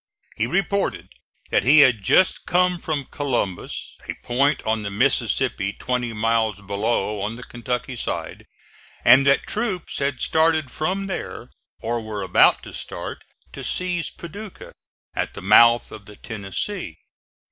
He reported that he had just come from Columbus, a point on the Mississippi twenty miles below on the Kentucky side, and that troops had started from there, or were about to start, to seize Paducah, at the mouth of the Tennessee.